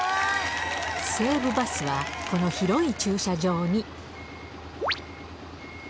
西武バスは、この広い駐車場に。